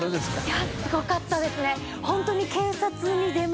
いやすごかったですね。